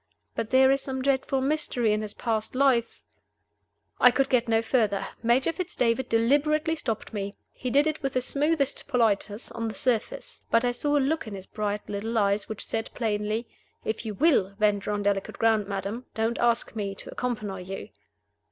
"But there is some dreadful mystery in his past life " I could get no further; Major Fitz David deliberately stopped me. He did it with the smoothest politeness, on the surface. But I saw a look in his bright little eyes which said, plainly, "If you will venture on delicate ground, madam, don't ask me to accompany you."